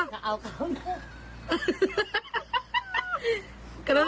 กระไลน่าอย่ามากิน